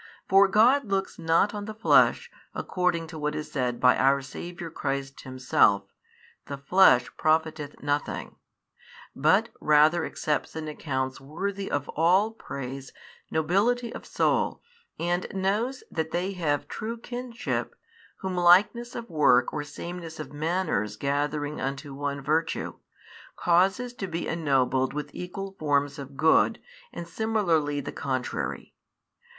For God looks |633 not on the flesh according to what is said by our Saviour Christ Himself, The flesh profiteth nothing, but rather accepts and accounts worthy of all praise nobility of soul and knows that they have true kinship, whom likeness of work or sameness of manners gathering unto one virtue, causes to be ennobled with equal forms of good and similarly the contrary.